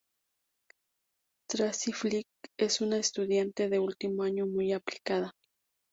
Tracy Flick es una estudiante de último año muy aplicada.